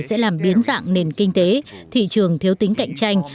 sẽ làm biến dạng nền kinh tế thị trường thiếu tính cạnh tranh